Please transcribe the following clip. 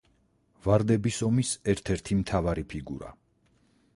ვარდების ომის ერთ-ერთი მთავარი ფიგურა.